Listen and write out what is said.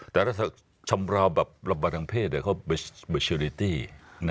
แต่ถ้าชำลาวแบบรับบาดทางเพศเขาว่าเบสเชอริตี้นะ